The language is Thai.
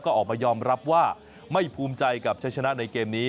ก็ออกมายอมรับว่าไม่ภูมิใจกับใช้ชนะในเกมนี้